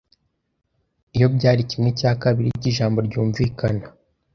Iyo byari kimwe cya kabiri cyijambo ryumvikana